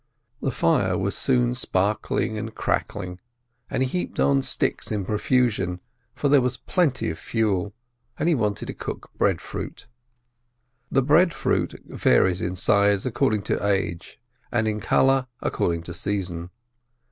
The fire was soon sparkling and crackling, and he heaped on sticks in profusion, for there was plenty of fuel, and he wanted to cook breadfruit. The breadfruit varies in size, according to age, and in colour according to season.